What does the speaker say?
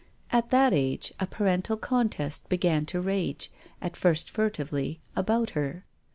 At that age a parental contest began to rage — at first furtively, — about her.